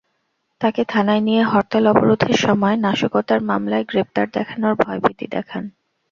তাঁকে থানায় নিয়ে হরতাল-অবরোধের সময় নাশকতার মামলায় গ্রেপ্তার দেখানোর ভয়ভীতি দেখান।